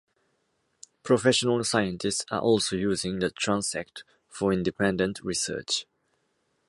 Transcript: Professional scientists are also using the transect for independent research.